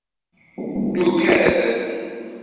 Nugad.